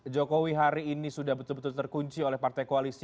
jokowi hari ini sudah betul betul terkunci oleh partai koalisi